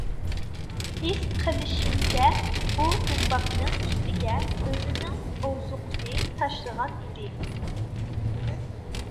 ھېس قىلىشىمچە ئۇ دۇمباقنىڭ ئۈستىگە ئۆزىنىڭ ئوزۇقىنى تاشلىغان ئىدى.